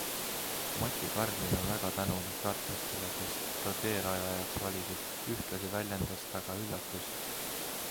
Mati Karmin on väga tänulik tartlastele, kes ta teerajajaks valisid, ühtlasi väljendas ta ka üllatust.